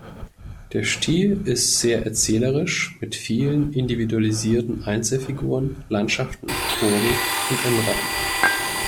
Der Stil ist sehr erzählerisch, mit vielen individualisierten Einzelfiguren, Landschaften, Burgen und Innenräumen.